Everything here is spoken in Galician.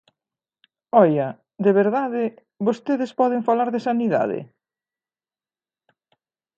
¡Oia!, de verdade, ¿vostedes poden falar de sanidade?